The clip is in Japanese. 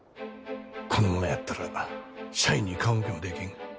このままやったら社員に顔向けもできん。